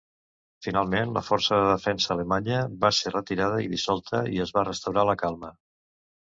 Finalment, la força de defensa alemanya va ser retirada i dissolta, i es va restaurar la calma.